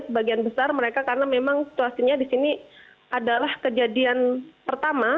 sebagian besar mereka karena memang situasinya di sini adalah kejadian pertama